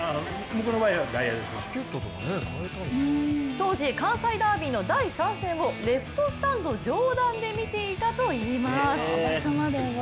当時、関西ダービーの第３戦をレフトスタンド上段で見ていたといいます。